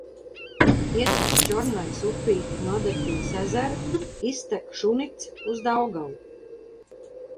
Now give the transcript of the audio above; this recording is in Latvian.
Ietek Čornajas upīte no Adatiņas ezera, iztek Šuņica uz Daugavu.